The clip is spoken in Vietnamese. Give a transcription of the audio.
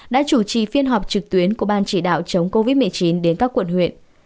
đã chủ trì phiên họp trực tuyến của ban chỉ đạo chống covid một mươi chín đến các quận huyện